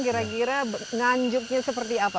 kira kira nganjuknya seperti apa